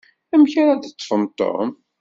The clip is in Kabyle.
Amek ara d-teṭṭfem Tom?